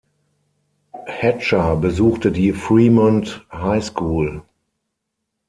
Hatcher besuchte die Fremont High School.